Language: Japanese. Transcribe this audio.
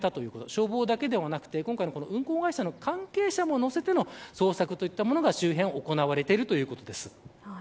消防だけではなくて今回の運航会社の関係者も乗せての捜索が周辺で行われているということです。